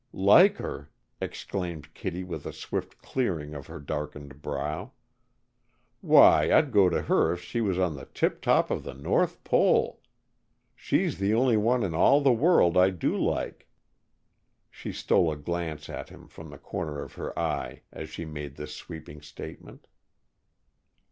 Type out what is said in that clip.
"Like her!" exclaimed Kittie with a swift clearing of her darkened brow. "Why, I'd go to her if she was on the tip top of the North Pole. She's the only one in all the world I do like." She stole a glance at him from the corner of her eye as she made this sweeping statement.